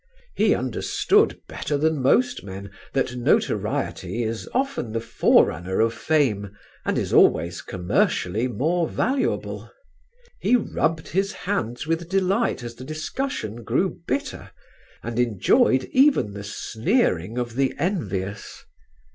He understood better than most men that notoriety is often the forerunner of fame and is always commercially more valuable. He rubbed his hands with delight as the discussion grew bitter, and enjoyed even the sneering of the envious.